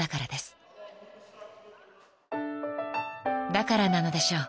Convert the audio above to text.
［だからなのでしょう